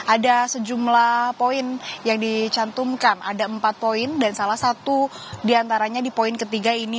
ada sejumlah poin yang dicantumkan ada empat poin dan salah satu diantaranya di poin ketiga ini